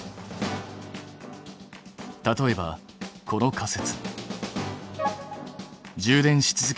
例えばこの仮説。